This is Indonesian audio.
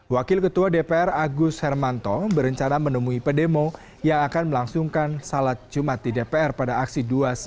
wakil ketua dpr agus hermanto berencana menemui pedemo yang akan melangsungkan salat jumat di dpr pada aksi dua ratus dua belas